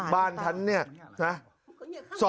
บ้านฉันเนี่ยนะ